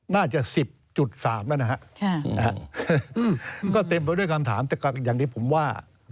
น่าจะ๑๐๓แล้วนะฮะก็เต็มไปด้วยคำถามแต่อย่างที่ผมว่า